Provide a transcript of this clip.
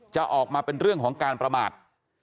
จะออกมาเป็นเรื่องของการประมาท